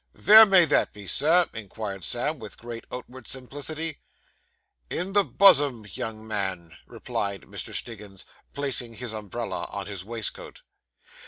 'Vere may that be, Sir?' inquired Sam, with great outward simplicity. 'In the buzzim, young man,' replied Mr. Stiggins, placing his umbrella on his waistcoat.